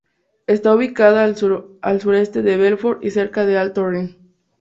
Está ubicada a al sureste de Belfort y cerca del Alto Rin.